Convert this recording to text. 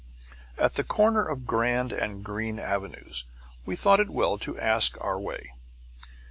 At the corner of Grand and Greene avenues we thought it well to ask our way.